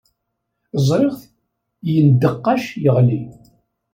Ẓriɣ-t yendeqqac, yeɣli.